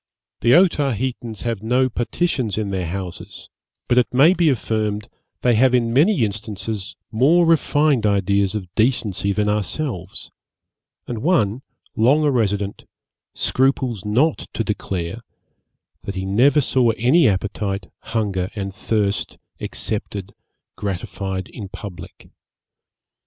'The Otaheitans have no partitions in their houses; but, it may be affirmed, they have in many instances more refined ideas of decency than ourselves; and one, long a resident, scruples not to declare, that he never saw any appetite, hunger and thirst excepted, gratified in public.